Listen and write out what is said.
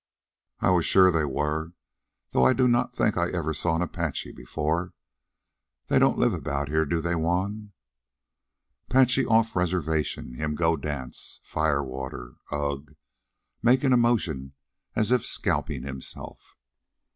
"I was sure they were, though I do not think I ever saw an Apache before. They don't live about here, do they, Juan?" "'Pache off reservation. Him go dance. Firewater! Ugh!" making a motion as if scalping himself.